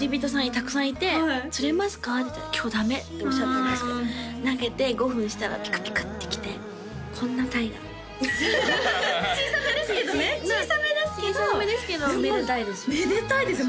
たくさんいて「釣れますか？」って言ったら「今日ダメ」っておっしゃって投げて５分したらピクピクッて来てこんなタイが小さめですけどね小さめですけどめでたいですよめでたいですよ